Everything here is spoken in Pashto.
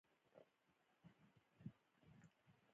د پښتو ژبې د بډاینې لپاره پکار ده چې علمي دود رامنځته شي.